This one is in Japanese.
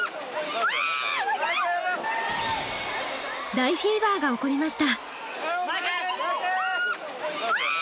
大フィーバーが起こりました。